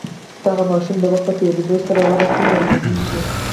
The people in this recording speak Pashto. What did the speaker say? دغه ماشوم د وخت په تیریدو سره وده کوي او لوییږي.